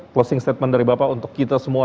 closing statement dari bapak untuk kita semua